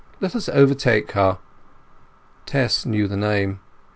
Let us overtake her." Tess knew the name.